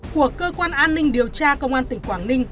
thuộc cơ quan an ninh điều tra công an tỉnh quảng ninh